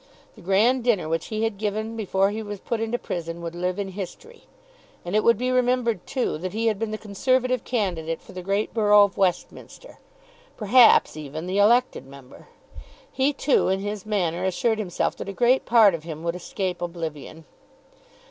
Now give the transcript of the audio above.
The grand dinner which he had given before he was put into prison would live in history. And it would be remembered, too, that he had been the Conservative candidate for the great borough of Westminster, perhaps, even, the elected member. He, too, in his manner, assured himself that a great part of him would escape Oblivion.